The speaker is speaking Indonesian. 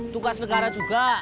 tugas negara juga